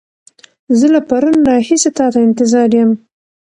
زه له پرون راهيسې تا ته انتظار يم.